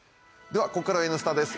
では、ここからは「Ｎスタ」です。